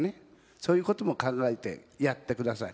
そういうことも考えてやってください。